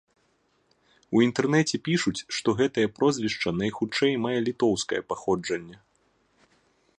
У інтэрнэце пішуць, што гэтае прозвішча, найхутчэй, мае літоўскае паходжанне.